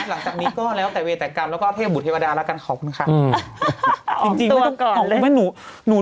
หลังจากนี้ก็แล้วแต่เวตกรรมแล้วก็เทพบุตเทวดาแล้วกันขอบคุณค่ะ